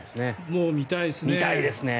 もう見たいですね。